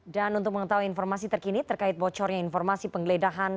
untuk mengetahui informasi terkini terkait bocornya informasi penggeledahan